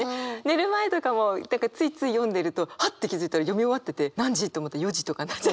寝る前とかもついつい読んでるとはっ！って気付いたら読み終わってて何時と思ったら４時とかなっちゃってた。